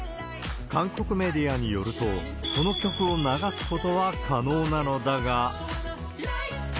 韓国メディアによると、この曲を流すことは可能なのだが。